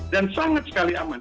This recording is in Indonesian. dan sangat sekali aman